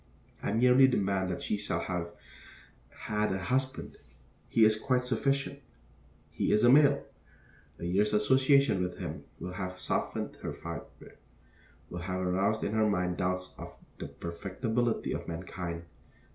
I merely demand that she shall have had a husband. He is quite sufficient. He is a male. A year's association with him will have softened her fibre, will have aroused in her mind doubts of the perfectibility of mankind.